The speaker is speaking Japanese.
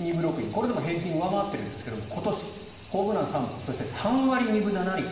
これでも平均を上回っているんですが今年、ホームラン３本そして３割２分７厘。